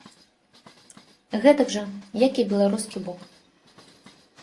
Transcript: Гэтак жа, як і беларускі бок.